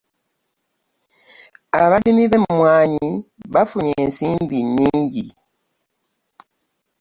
Abalimi b'emmwanyi bafunye ensimbi nyingi.